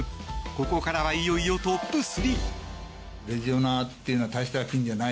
ここからはいよいよトップ３。